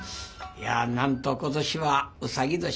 なんと今年はうさぎ年。